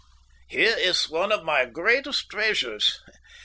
"Here is one of my greatest treasures.